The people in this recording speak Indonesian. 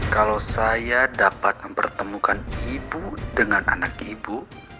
kalau saya dapat mempertemukan ibu dengan anak ibu